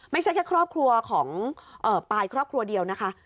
ไม่ใช่แค่ครอบครัวของปายครอบครัวเดียวนะคะ